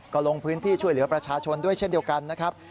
ก็ลงพื้นที่ช่วยเหลือประชาชนด้วยเช่นเดียวกันนะครับ